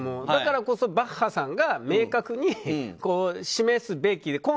だからこそバッハさんが明確に示すべきで。